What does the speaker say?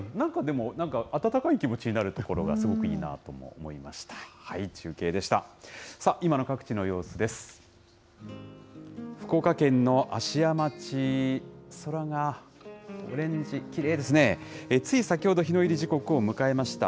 なんかでも、温かい気持ちになるところもすごくいいなと思いました。